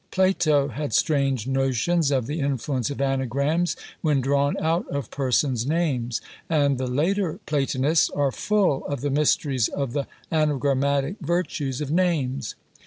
Plato had strange notions of the influence of Anagrams when drawn out of persons' names; and the later Platonists are full of the mysteries of the anagrammatic virtues of names.